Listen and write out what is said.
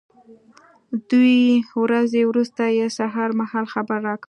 دوې ورځې وروسته یې سهار مهال خبر را کړ.